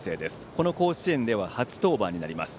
この甲子園では初登板です。